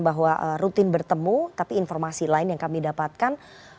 bahwa rutin bertemu tapi informasi lain yang kami dapatkan